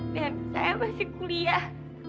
dan saya masih kuliah